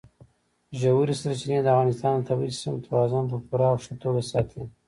ژورې سرچینې د افغانستان د طبعي سیسټم توازن په پوره او ښه توګه ساتي.